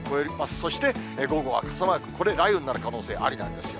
そして午後は傘マーク、これ、雷雨になる可能性ありなんですよ。